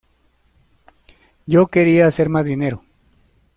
Yo quería hacer más dinero.